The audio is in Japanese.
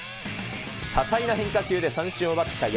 多彩な変化球で三振を奪った柳。